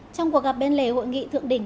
trong cuộc gặp bên lề hội nghị thượng đỉnh